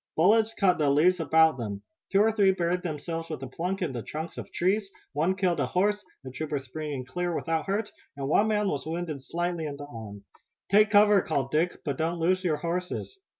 Bullets cut the leaves about them. Two or three buried themselves with a plunk in the trunks of trees, one killed a horse, the trooper springing clear without hurt, and one man was wounded slightly in the arm. "Take cover," called Dick, "but don't lose your horses!"